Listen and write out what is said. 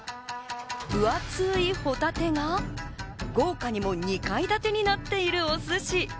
分厚いホタテは、豪華にも２階建てになっているお寿司。